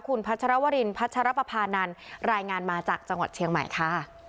คุณพัชรวรินพัชรปภานันรายงานมาจากจังหวัดเชียงใหม่ค่ะ